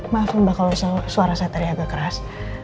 maaf mbak kalau suara saya tadi agak keras